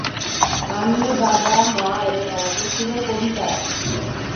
আমি, বাবা, মা এবং আমাদের পুরো পরিবার!